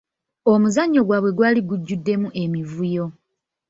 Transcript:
Omuzannyo gwabwe gwali gujjuddemu emivuyo.